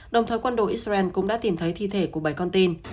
đồng thời quân đội israel cũng đã tìm thấy thi thể của bảy con tin